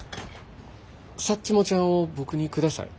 サッチモちゃんを僕にください。